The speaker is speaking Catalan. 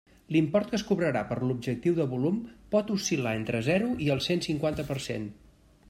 L'import que es cobrarà per l'objectiu de volum pot oscil·lar entre zero i el cent cinquanta per cent.